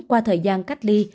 qua thời gian cách ly